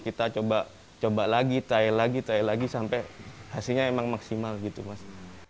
kita coba lagi trial lagi trial lagi sampai hasilnya emang maksimal gitu mas